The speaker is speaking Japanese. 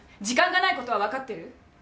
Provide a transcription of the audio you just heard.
時間がないことはわかってる？